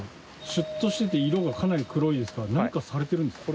シュッとしてて色がかなり黒いですが何かされてるんですか？